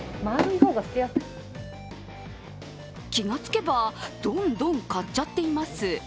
気がつけば、どんどん買っちゃっています。